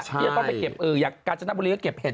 พี่ก็ไปเก็บการชนะบุรีก็เก็บเห็ด